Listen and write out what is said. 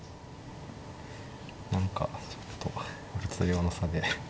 何かちょっと物量の差で。